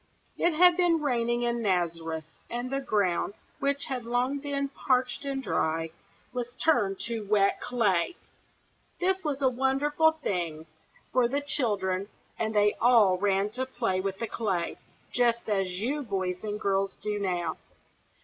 It had been raining in Nazareth, and the ground, which had long been parched and dry, was turned to wet clay. This was a wonderful thing for the children, and they all ran to play with the clay, just as you boys and girls do now.